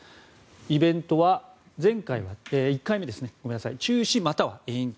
イベントは１回目は中止または延期